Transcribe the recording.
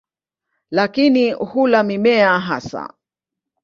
Lakini hula mimea hasa.